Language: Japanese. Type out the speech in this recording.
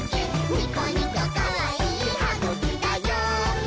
ニコニコかわいいはぐきだよ！」